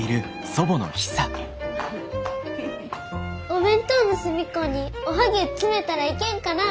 お弁当の隅っこにおはぎゅう詰めたらいけんかなあ。